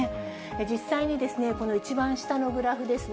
実際にこの一番下のグラフですね。